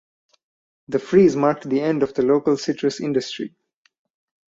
The freeze marked the end of the local citrus industry.